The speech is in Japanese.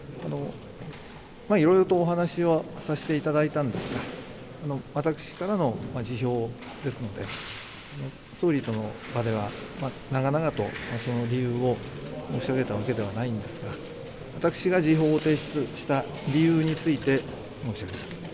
いろいろとお話をさせていただいたんですが、私からの辞表ですので、総理との場では長々とその理由を申し上げたわけではないんですが、私が辞表を提出した理由について申し上げます。